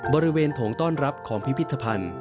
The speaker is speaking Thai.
บริเวณโถงต้อนรับของพิพิธภัณฑ์